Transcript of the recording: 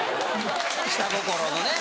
下心のね。